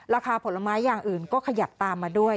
ผลไม้อย่างอื่นก็ขยับตามมาด้วย